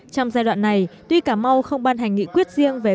trong giai đoạn này tuy cà mau không ban hành nghị quyết